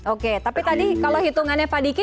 oke tapi tadi kalau hitungannya pak diki